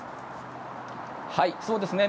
そうですね。